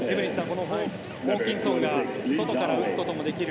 このホーキンソンが外から打つこともできる